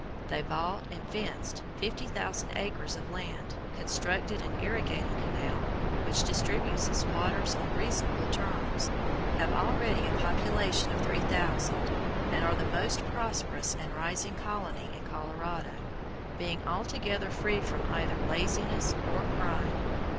They bought and fenced 50,000 acres of land, constructed an irrigating canal, which distributes its waters on reasonable terms, have already a population of 3,000, and are the most prosperous and rising colony in Colorado, being altogether free from either laziness or crime.